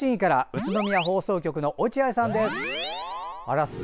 宇都宮放送局の落合さんです。